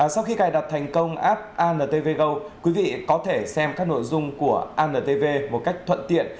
sau khi cài đặt thành công app antv go quý vị có thể xem các nội dung của antv một cách thuận tiện